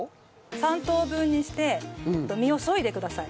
３等分にして実をそいでください。